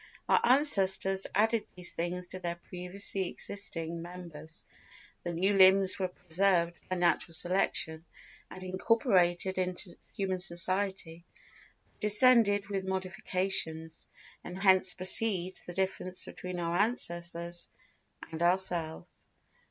Our ancestors added these things to their previously existing members; the new limbs were preserved by natural selection, and incorporated into human society; they descended with modifications, and hence proceeds the difference between our ancestors and ourselves.